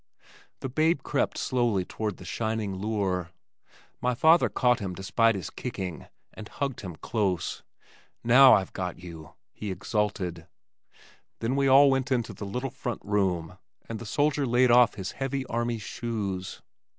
The babe crept slowly toward the shining lure. My father caught him despite his kicking, and hugged him close. "Now I've got you," he exulted. Then we all went into the little front room and the soldier laid off his heavy army shoes.